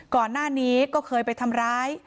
ก่อนหน้านี้ก็เคยไปทำร้าย